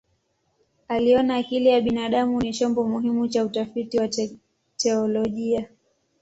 Aliona akili ya binadamu ni chombo muhimu cha utafiti wa teolojia.